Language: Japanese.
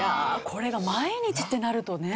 これが毎日ってなるとね。